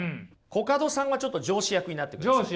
コカドさんはちょっと上司役になってください。